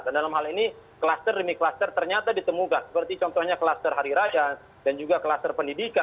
dan dalam hal ini kluster demi kluster ternyata ditemukan seperti contohnya kluster hari raja dan juga kluster pendidikan